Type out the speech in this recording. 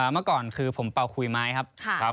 เมื่อก่อนคือผมเป่าขุยไม้ครับ